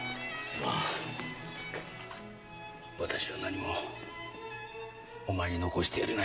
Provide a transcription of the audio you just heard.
私は何もお前に残してやれない。